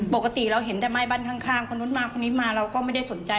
ปกติเราเห็นแต่ไม้บ้านข้างคนนู้นมาคนนี้มาเราก็ไม่ได้สนใจ